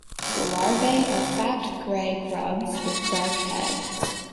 The larvae are fat gray grubs with dark heads.